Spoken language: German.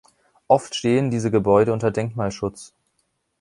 Oft stehen diese Gebäude unter Denkmalschutz.